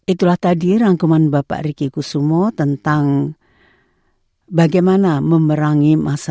itulah tadi rangkuman bapak riki kusumo tentang